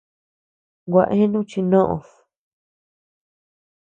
Gua eanu chi noʼod.